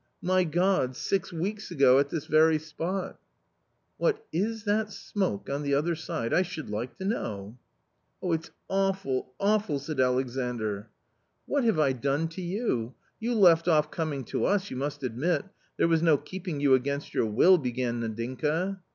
My God, six weeks ago, at this very spot !"" What is that smoke on the other side, I should like to know." " It's awful, awful !" said Alexandr. " What have I done to you ? You left off coming to us — you must admit. There was no keeping you against your will," began Nadinka.